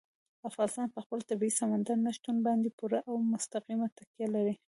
افغانستان په خپل طبیعي سمندر نه شتون باندې پوره او مستقیمه تکیه لري.